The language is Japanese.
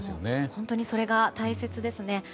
本当にそれが大切ですね。